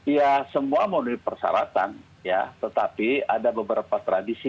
ya semua menurut persyaratan tetapi ada beberapa tradisi